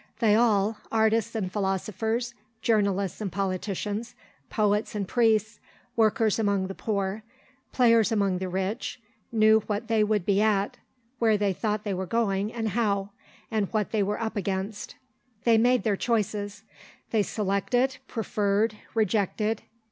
They all, artists and philosophers, journalists and politicians, poets and priests, workers among the poor, players among the rich, knew what they would be at, where they thought they were going and how, and what they were up against. They made their choices; they selected, preferred, rejected